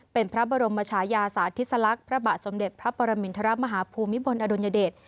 เป็นพระบรมชายาสาธิสลักษณ์พระบาทสมเด็จพระปรมินทรมาฮภูมิพลอดุลยเดช